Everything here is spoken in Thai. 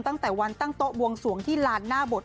ตั้งแต่วันตั้งโต๊ะบวงสวงที่ลานหน้าบท